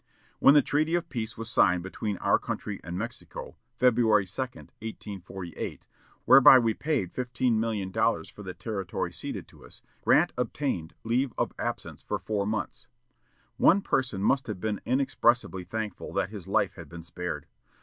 When the treaty of peace was signed between our country and Mexico, February 2, 1848, whereby we paid fifteen million dollars for the territory ceded to us, Grant obtained leave of absence for four months. One person must have been inexpressibly thankful that his life had been spared.